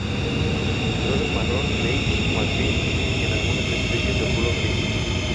El color es marrón, beige, marfil, y en algunas especies azul o gris.